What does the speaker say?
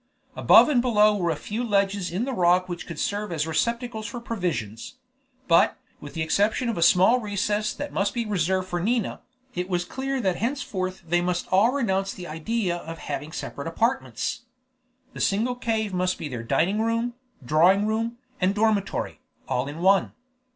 Above and below were a few ledges in the rock that would serve as receptacles for provisions; but, with the exception of a small recess that must be reserved for Nina, it was clear that henceforth they must all renounce the idea of having separate apartments. The single cave must be their dining room, drawing room, and dormitory, all in one.